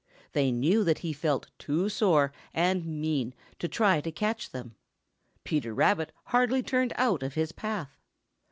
They knew that he felt too sore and mean to try to catch them. Peter Rabbit hardly turned out of his path.